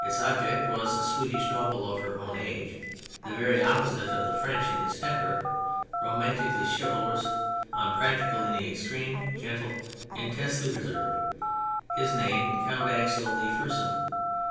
Its object was a Swedish noble of her own age, the very opposite of the French in his temper, romantically chivalrous, un practical in the extreme, gentle, intensely reserved ; his name Count Axel de Fersen.